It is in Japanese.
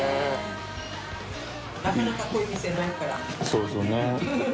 そうですよね。